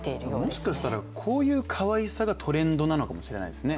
もしかしたら、こういうかわいさがトレンドなのかもしれないですね。